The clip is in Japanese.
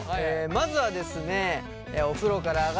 まずはですねあっ